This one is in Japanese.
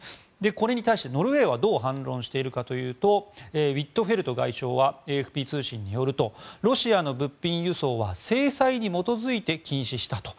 これに対してノルウェーはどう反論しているかというとウィットフェルト外相はＡＦＰ通信によるとロシアの物品輸送は制裁に基づいて禁止したと。